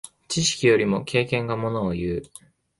知識よりも経験がものをいう。